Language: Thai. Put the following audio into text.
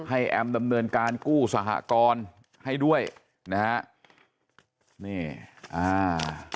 แอมดำเนินการกู้สหกรให้ด้วยนะฮะนี่อ่า